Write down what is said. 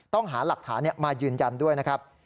ต้องหาหลักฐานมายืนยันด้วยนะครับ